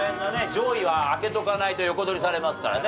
上位は開けておかないと横取りされますからね。